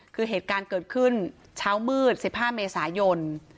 คือเหตุการณ์เกิดขึ้นเช้ามืด๑๕เมษายน